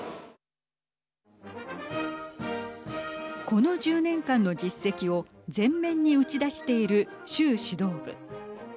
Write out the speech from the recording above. この１０年間の実績を全面に打ち出している習指導部。